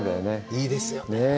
いいですよね。